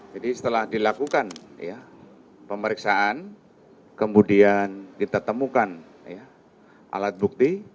jadi setelah dilakukan pemeriksaan kemudian kita temukan alat bukti